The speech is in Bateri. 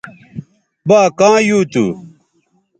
با کاں یُو تھو